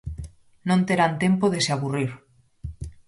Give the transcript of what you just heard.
Non terán tempo de se aburrir!